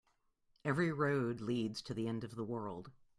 Every road leads to the end of the world.